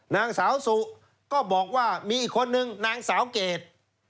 นางสาวสุก็บอกว่ามีอีกคนนึงนางสาวเกรด